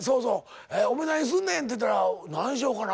「お前何すんねん」って言ったら「何しようかな」